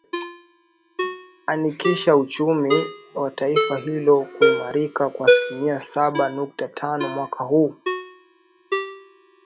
anikisha uchumi wa taifa hilo kuimarika kwa aslimia saba nukta tano mwaka huu